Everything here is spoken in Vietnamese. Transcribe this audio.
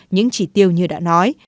những chỉ tiêu như đã nói